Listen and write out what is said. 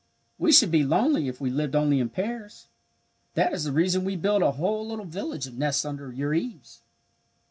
"We should be lonely if we lived only in pairs. That is the reason that we build a whole little village of nests under your eaves."